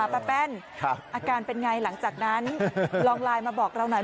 ป้าแป้นอาการเป็นไงหลังจากนั้นลองไลน์มาบอกเราหน่อย